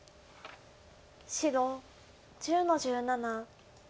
白１０の十七。